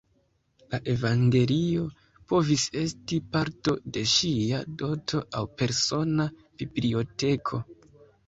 La Evangelio povis esti parto de ŝia doto aŭ persona biblioteko.